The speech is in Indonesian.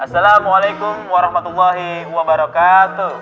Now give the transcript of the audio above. assalamualaikum warahmatullahi wabarakatuh